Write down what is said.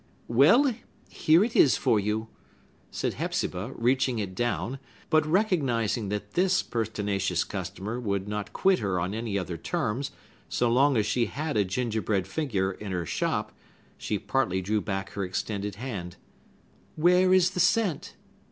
"Well, here it is for you," said Hepzibah, reaching it down; but recognizing that this pertinacious customer would not quit her on any other terms, so long as she had a gingerbread figure in her shop, she partly drew back her extended hand, "Where is the cent?"